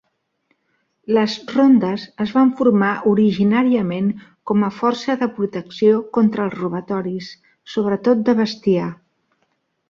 Les rondes es van formar originàriament com a força de protecció contra els robatoris, sobretot de bestiar.